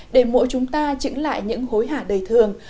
để mỗi chúng ta chững lại những hối hả đầy thường